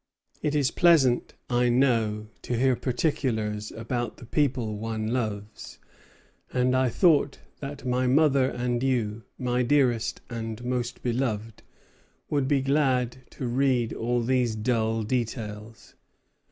It is pleasant, I know, to hear particulars about the people one loves, and I thought that my mother and you, my dearest and most beloved, would be glad to read all these dull details.